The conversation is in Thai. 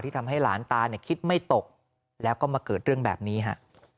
ทำให้หลานตาเนี่ยคิดไม่ตกแล้วก็มาเกิดเรื่องแบบนี้ฮะ